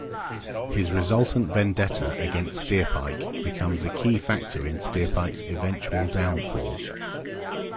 His resultant vendetta against Steerpike becomes a key factor in Steerpike's eventual downfall.